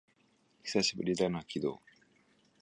久しぶりだな、鬼道